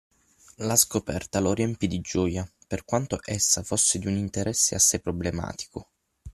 La scoperta lo riempì di gioia, per quanto essa fosse di un interesse assai problematico.